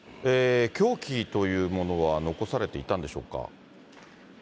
凶器というものは残されていたんでしょうか。